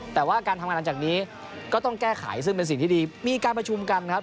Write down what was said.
แต่ว่าการทำงานหลังจากนี้ก็ต้องแก้ไขซึ่งเป็นสิ่งที่ดีมีการประชุมกันครับ